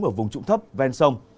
ở vùng trụng thấp ven sông